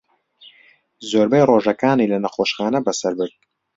زۆربەی ڕۆژەکەی لە نەخۆشخانە بەسەر برد.